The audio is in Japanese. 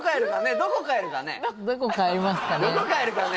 どこ帰りますかね？